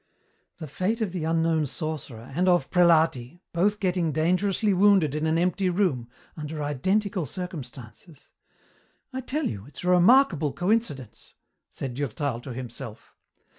"The fate of the unknown sorcerer and of Prelati, both getting dangerously wounded in an empty room, under identical circumstances I tell you, it's a remarkable coincidence," said Durtal to himself.